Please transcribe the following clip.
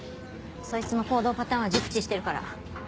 そいつの行動パターンは熟知してるから。